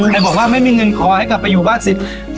แต่บอกว่าไม่มีเงินขอให้กลับไปอยู่บ้านสิทธิ์